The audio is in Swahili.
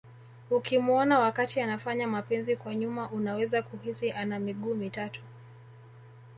Ukimuona wakati anafanya mapenzi kwa nyuma unaweza kuhisi ana miguu mitatu